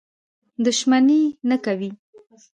دښمني نه کوي.